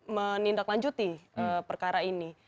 menindaklanjuti perkara ini